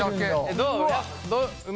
どう？